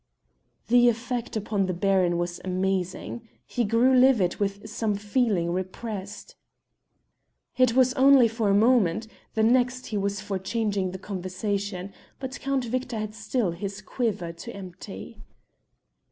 The effect upon the Baron was amazing. He grew livid with some feeling repressed. It was only for a moment; the next he was for changing the conversation, but Count Victor had still his quiver to empty.